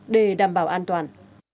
để đảm bảo an toàn